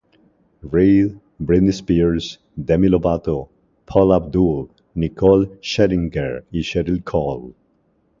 Reid, Britney Spears, Demi Lovato, Paula Abdul, Nicole Scherzinger y Cheryl Cole.